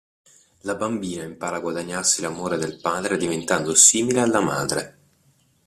La bambina impara a guadagnarsi l'amore del padre diventando simile alla madre.